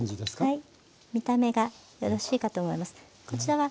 はい。